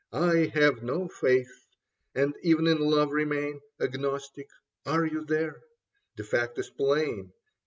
I have no faith, and even in love remain Agnostic. Are you here ? The fact is plain.